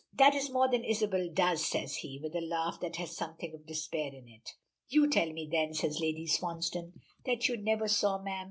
"That is more than Isabel does," says he, with a laugh that has something of despair in it. "You tell me, then," says Lady Swansdown, "that you never saw Mme.